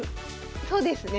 そうですね。